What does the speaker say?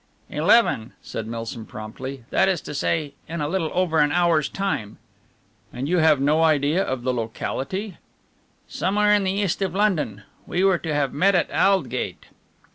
"Eleven," said Milsom promptly, "that is to say, in a little over an hour's time." "And you have no idea of the locality?" "Somewhere in the East of London. We were to have met at Aldgate."